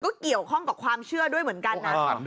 ก็เกี่ยวข้องกับความเชื่อด้วยเหมือนกันนะ